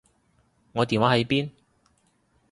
我電話喺邊？